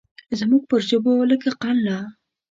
زموږ پر ژبو لکه قند لا